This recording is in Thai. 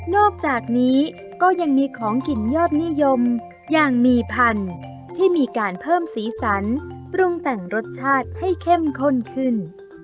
อกจากนี้ก็ยังมีของกินยอดนิยมอย่างมีพันธุ์ที่มีการเพิ่มสีสันปรุงแต่งรสชาติให้เข้มข้นขึ้น